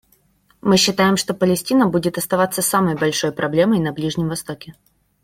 Мы считаем, что Палестина будет оставаться самой большой проблемой на Ближнем Востоке.